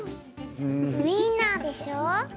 ウインナーでしょ。